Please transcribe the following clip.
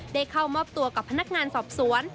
ได้เข้ามอบตัวกับพนักงานสอบสวน